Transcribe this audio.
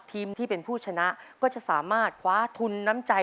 ที่เป็นผู้ชนะก็จะสามารถคว้าทุนน้ำใจ